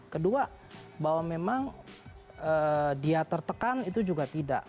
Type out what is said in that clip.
kedua bahwa memang dia tertekan itu juga tidak